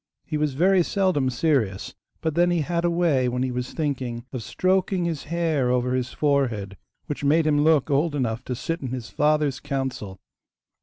He was very seldom serious, but then he had a way when he was thinking of stroking his hair over his forehead, which made him look old enough to sit in his father's council!